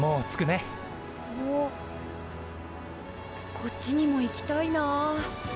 こっちにも行きたいな。